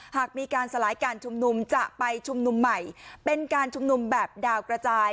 หากมีการสลายการชุมนุมจะไปชุมนุมใหม่เป็นการชุมนุมแบบดาวกระจาย